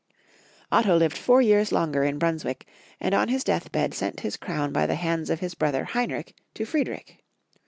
Otto lived four years longer in Brunswick, and on his death bed sent his crown by the hands of his brother Heinrich to Friedrich.